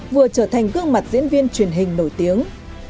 vừa trở thành gương mặt diễn viên truyền hình nổi tiếng